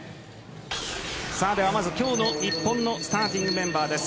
では、まず今日の日本のスターティングメンバーです。